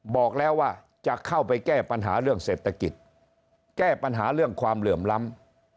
บอกแล้วว่าจะเข้าไปแก้ปัญหาเรื่องเศรษฐกิจแก้ปัญหาเรื่องความเหลื่อมล้ำ